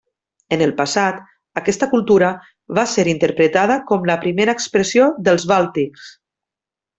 En el passat, aquesta cultura va ser interpretada com la primera expressió dels bàltics.